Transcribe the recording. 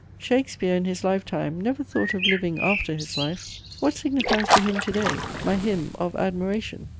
Shakespeare, in his lifetime, never thought of living after his life: what signifies to him to day my hymn of admiration?